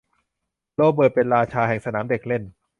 โรเบิร์ตเป็นราชาแห่งสนามเด็กเล่น